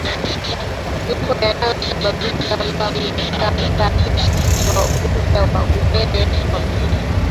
Mambo yanayosababisha ugonjwa wa upele kwa mifugo